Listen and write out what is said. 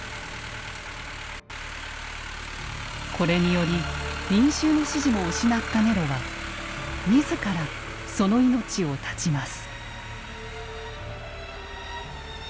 これにより民衆の支持も失ったネロは自らその命を絶ちます。